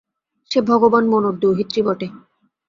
সে ভগবান মনুর দৌহিত্রী বটে।